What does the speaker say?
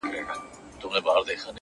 زما پښتون زما ښايسته اولس ته،